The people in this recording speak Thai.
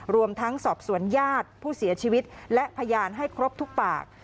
รวมทั้งสอบสวนญาติผู้เสียชีวิตและพยานให้ครบทุกปาก